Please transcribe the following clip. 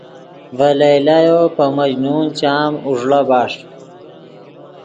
ڤے لیلیو پے مجنون چام اوݱڑا بݰ